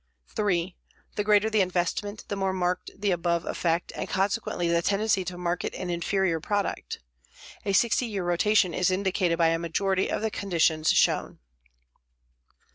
3. The greater the investment, the more marked the above effect and consequently the tendency to market an inferior product. A 60 year rotation is indicated by a majority of the conditions shown.